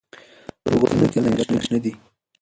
په غرونو کې ځنګلونه شنه دي.